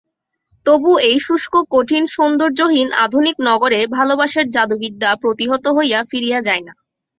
তবু এই শুষ্ককঠিন সৌন্দর্যহীন আধুনিক নগরে ভালোবাসার জাদুবিদ্যা প্রতিহত হইয়া ফিরিয়া যায় না।